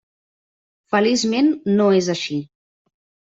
Feliçment no és així.